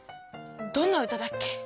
どんな歌だっけ？